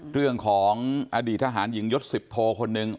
เรื่องของอดีตทหารหญิงยศ๑๐โทคนหนึ่ง